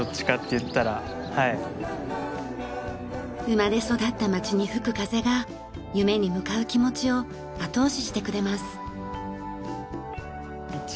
生まれ育った街に吹く風が夢に向かう気持ちを後押ししてくれます。